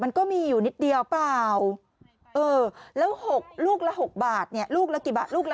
มันก็มีอยู่นิดเดียวเปล่าเออแล้ว๖ลูกละ๖บาทลูกละ๕๖บาทเนี่ย